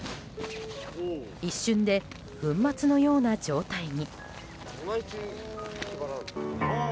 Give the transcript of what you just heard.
一瞬で粉末のような状態に。